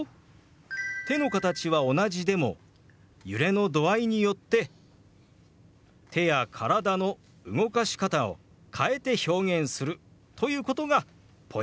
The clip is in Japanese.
手の形は同じでも揺れの度合いによって手や体の動かし方を変えて表現するということがポイントですよ。